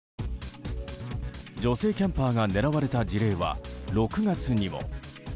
女性キャンパーが狙われた事例は６月にも。